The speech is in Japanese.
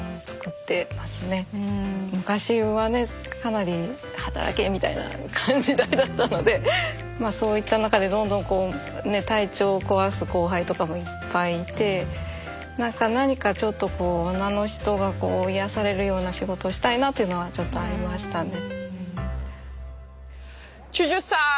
昔はねかなり働けみたいな時代だったのでそういった中でどんどんこうね体調を壊す後輩とかもいっぱいいてなんか何かちょっとこう女の人が癒やされるような仕事をしたいなっていうのはちょっとありましたね。